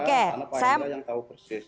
karena pak hendra yang tahu persis